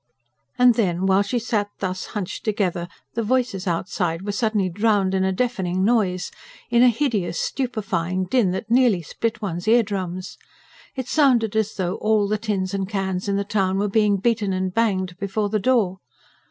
And then, while she sat thus hunched together, the voices outside were suddenly drowned in a deafening noise in a hideous, stupefying din, that nearly split one's eardrums: it sounded as though all the tins and cans in the town were being beaten and banged before the door.